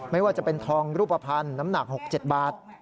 ไม่ว่าจะเป็นทองรูปภัณฑ์น้ำหนัก๖๗บาท